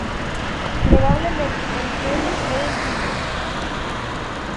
Probablement els mesos eren pigues.